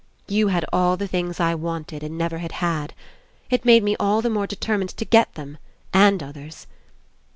You had all the things I wanted and never had had. It made me all the more determined to get them, and oth ers.